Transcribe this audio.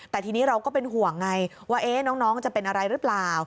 แต่ทีนี้เราก็เป็นห่วงไงว่าน้องจะเป็นอะไรหรือเปล่า